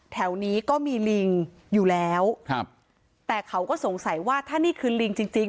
แถวนี้ก็มีลิงอยู่แล้วครับแต่เขาก็สงสัยว่าถ้านี่คือลิงจริงจริง